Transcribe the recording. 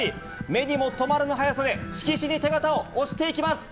目にも止まらぬ速さで、色紙に手形を押していきます。